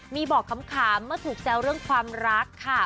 มีบอกขำเมื่อถูกแซวเรื่องความรักค่ะ